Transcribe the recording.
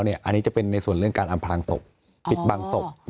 อันนี้จะเป็นในส่วนเรื่องการอำพลางศพปิดบังศพ